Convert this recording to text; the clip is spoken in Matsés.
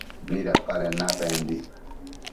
¿Midapaden napembi?